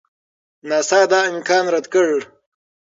ناسا دا امکان رد کړ.